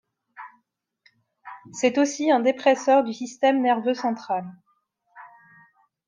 C'est aussi un dépresseur du système nerveux central.